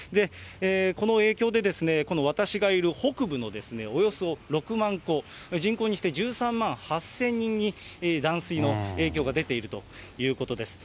この影響で、この私がいる北部のおよそ６万戸、人口にして１３万８０００人に断水の影響が出ているということです。